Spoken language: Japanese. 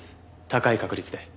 高い確率で。